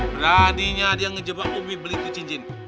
beradinya dia ngejebak umi beli cincin